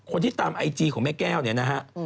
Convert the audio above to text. ตามไอจีของแม่แก้วเนี่ยนะฮะ